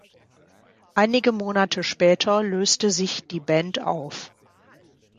Einige Monate später löste sich die Band auf.